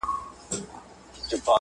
هندوستان او ترکیه کی اوسیدلي دي